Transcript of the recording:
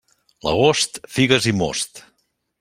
L'agost, figues i most.